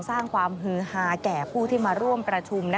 สร้างความฮือฮาแก่ผู้ที่มาร่วมประชุม